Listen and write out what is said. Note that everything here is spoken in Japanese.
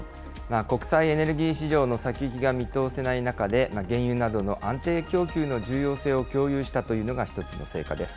国際エネルギー市場の先行きが見通せない中で、原油などの安定供給の重要性を共有したというのが１つの成果です。